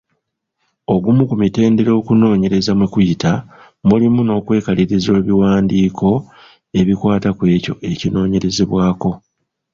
Ogumu ku mitendera okunoonyereza mwe kuyita mulimu n’okwekaliriza ebiwandiiko ebikwata kwekyo ekinoonyerezebwako.